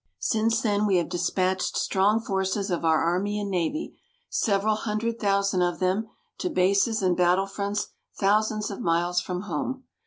Since then we have dispatched strong forces of our Army and Navy, several hundred thousand of them, to bases and battlefronts thousands of miles from home.